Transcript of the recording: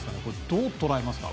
どう捉えますか？